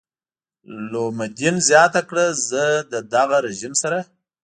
لومدین زیاته کړه زه له دغه رژیم سره.